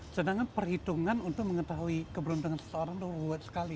sedangkan perhitungan untuk mengetahui keberuntungan seseorang itu ruwet sekali